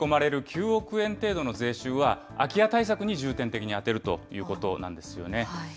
９億円程度の税収は、空き家対策に重点的に充てるということなんですよね。